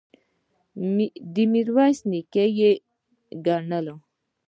د میرویس نیکه یې ګڼله.